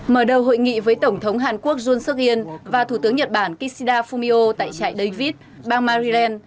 mở đầu hội nghị với tổng thống hàn quốc yun suk yên và thủ tướng nhật bản kishida fumio tại chạy david bang maryland